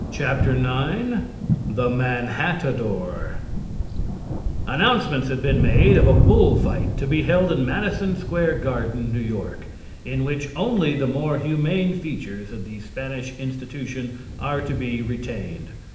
IX THE MANHATTADOR Announcements have been made of a bull fight to be held in Madison Square Garden, New York, in which only the more humane features of the Spanish institution are to be retained.